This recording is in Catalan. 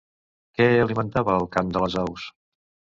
Què alimentava el cant de les aus?